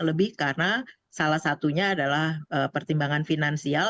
lebih karena salah satunya adalah pertimbangan finansial